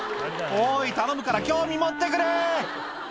「おい頼むから興味持ってくれ！」